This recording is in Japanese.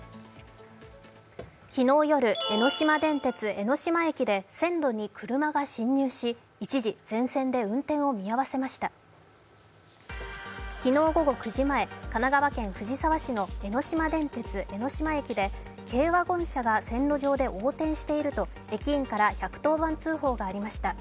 昨日夜、江ノ島電鉄・江ノ島駅で線路に車が進入し一時、全線で運転を見合わせました昨日午後９時前、神奈川県藤沢市の江ノ島電鉄・江ノ島駅で軽ワゴン車が線路上で横転していると駅員から１１０番通報がありました。